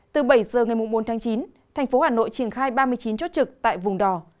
từ bảy giờ ngày bốn tháng chín thành phố hà nội triển khai ba mươi chín chốt trực tại vùng đỏ